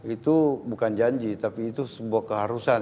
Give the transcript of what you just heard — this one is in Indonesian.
itu bukan janji tapi itu sebuah keharusan